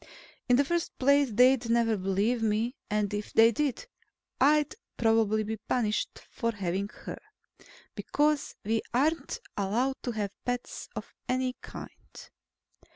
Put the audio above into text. In the first place, they'd never believe me. And, if they did, I'd probably be punished for having her. Because we aren't allowed to have pets of any kind.